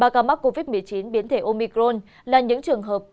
ba ca mắc covid một mươi chín biến thể omicron là những trường hợp